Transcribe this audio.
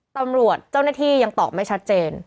ตำรวจเจ้าหน้าที่ยังตอบไม่ชัดเจน